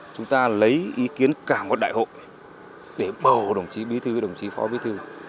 chúng ta lấy ý kiến cả một đại hội để bầu đồng chí bí thư đồng chí phó bí thư